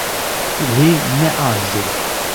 Wê neajot.